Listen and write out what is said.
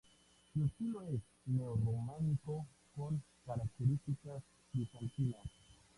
Su estilo es neorrománico con características bizantinas.